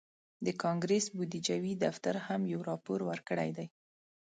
د کانګرس بودیجوي دفتر هم یو راپور ورکړی دی